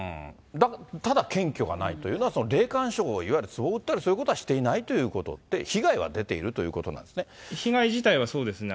ただ、検挙がないというのは、霊感商法、いわゆるつぼを売ったりとかそういうことはしていないということで、被害は出ていると被害自体はそうですね。